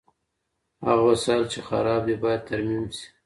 هغه وسايل چي خراب دي، بايد ترميم سي.